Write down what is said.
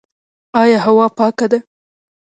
آیا هوا پاکه ده؟